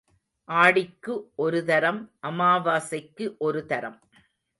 ஆடிக்கு ஒரு தரம், அமாவாசைக்கு ஒரு தரம்.